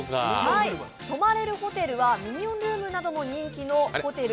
泊まれるホテルはミニオンルームなども人気のホテル